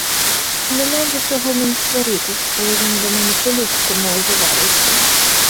Нема вже чого мені сваритися, коли він до мене по-людському озивається.